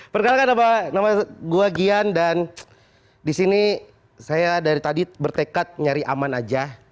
perkenalkan nama gua gian dan disini saya dari tadi bertekad nyari aman aja